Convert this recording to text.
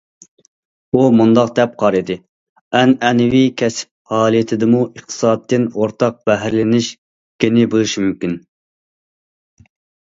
ئۇ مۇنداق دەپ قارىدى: ئەنئەنىۋى كەسىپ ھالىتىدىمۇ ئىقتىسادتىن ئورتاق بەھرىلىنىش گېنى بولۇشى مۇمكىن.